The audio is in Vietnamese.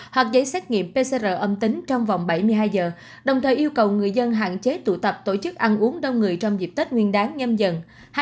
hoặc giấy xét nghiệm pcr âm tính trong vòng bảy mươi hai giờ đồng thời yêu cầu người dân hạn chế tụ tập tổ chức ăn uống đông người trong dịp tết nguyên đáng nhâm dần